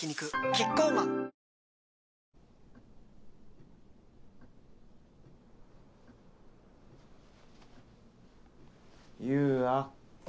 キッコーマン優愛。